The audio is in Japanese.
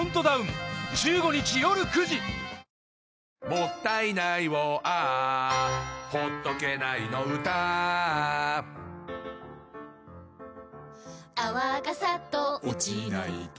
「もったいないをＡｈ」「ほっとけないの唄Ａｈ」「泡がサッと落ちないと」